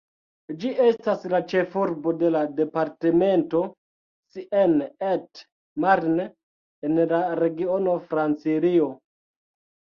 Ĝi estas la ĉefurbo de la departemento Seine-et-Marne, en la regiono Francilio.